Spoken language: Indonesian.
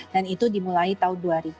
dan itu dimulai tahun dua ribu